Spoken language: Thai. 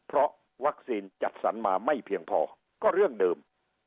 เพราะวัคซีนจัดสรรมาไม่เพียงพอก็เรื่องเดิม